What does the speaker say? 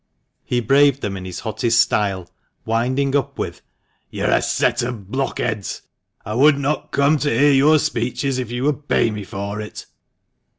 He braved them in his hottest style, winding up with, "You are a 312 THE MANCHESTER MAN. set of blockheads ! I would not come to hear your speeches if you would pay me for it!"